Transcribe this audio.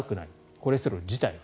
コレステロール自体は。